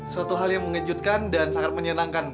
suatu hal yang mengejutkan dan sangat menyenangkan